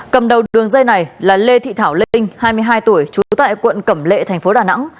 cầm đầu đường dây này là lê thị thảo linh hai mươi hai tuổi trú tại quận cẩm lệ thành phố đà nẵng